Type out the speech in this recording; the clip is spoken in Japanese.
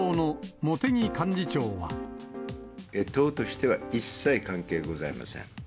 党としては一切関係ございません。